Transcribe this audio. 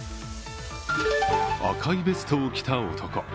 赤いベストを着た男。